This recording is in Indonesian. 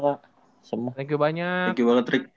thank you banyak thank you banget rick